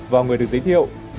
vào người được giới thiệu